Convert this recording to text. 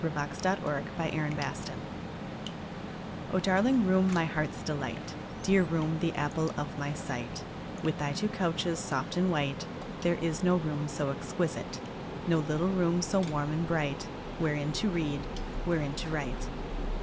XXXVI =O Darling Room=[D] I O darling room, my heart's delight, Dear room, the apple of my sight, With thy two couches soft and white, There is no room so exquisite, No little room so warm and bright Wherein to read, wherein to write.